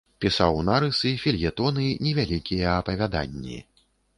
Пісаў нарысы, фельетоны, невялікія апавяданні.